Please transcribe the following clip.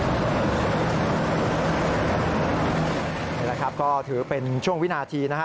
นี่แหละครับก็ถือเป็นช่วงวินาทีนะฮะ